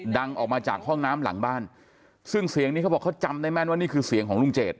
ดังออกมาจากห้องน้ำหลังบ้านซึ่งเสียงนี้เขาบอกเขาจำได้แม่นว่านี่คือเสียงของลุงเจด